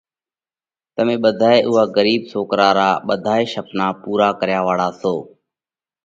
تمي ٻڌائي اُوئا ڳرِيٻ سوڪرا را ٻڌائي شپنا پُورا ڪريا واۯا سو۔